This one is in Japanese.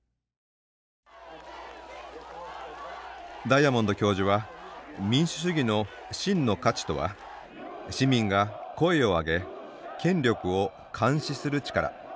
ダイアモンド教授は民主主義の真の価値とは市民が声を上げ権力を監視する力。